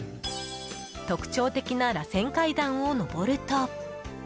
特徴的ならせん階段を上ると。